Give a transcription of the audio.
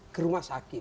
ke rumah sakit